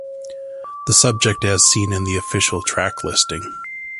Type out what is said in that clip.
The subject as seen in the official track listing.